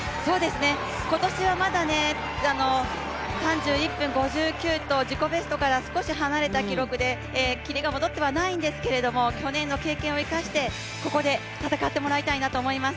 今年はまだ３１分５９と自己ベストから少し離れた記録で、キレが戻ってはいないんですけれども、去年の経験を生かしてここで戦ってもらいたいなと思います。